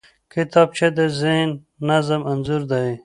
کتابچه د ذهني نظم انځور دی